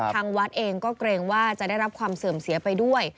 ทางวัดเองก็เกรงว่าจะได้รับความเสื่อมเสียไปด้วย